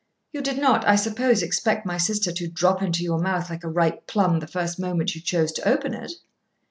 You did not, I suppose, expect my sister to drop into your mouth like a ripe plum the first moment you chose to open it?'